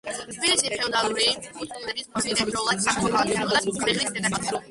თბილისი, ფეოდალური კუთვნილების ფორმით, ერთდროულად სამეფო ქალაქიც იყო და ქვეყნის დედაქალაქიც.